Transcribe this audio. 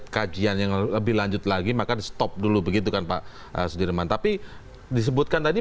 kajian yang lebih lanjut lagi maka di stop dulu begitu kan pak sudirman tapi disebutkan tadi